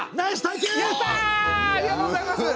やったありがとうございます。